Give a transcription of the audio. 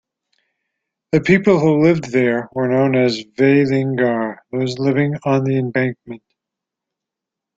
The people who lived there were known as "vaellingar", "those living on the embankment".